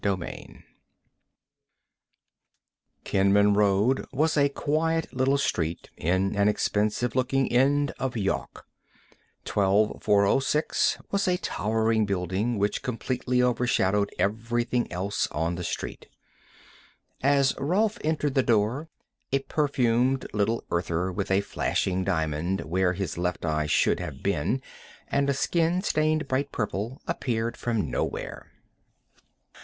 Kenman Road was a quiet little street in an expensive looking end of Yawk. 12406 was a towering building which completely overshadowed everything else on the street. As Rolf entered the door, a perfumed little Earther with a flashing diamond where his left eye should have been and a skin stained bright purple appeared from nowhere.